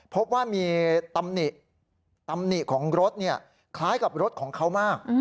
พบว่ามีตำหนิของรถคล้ายกับรถของเขามาก